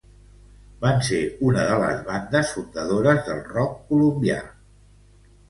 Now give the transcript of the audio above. Van ser una de les bandes fundadores del rock colombià.